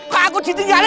kok aku jatuh kali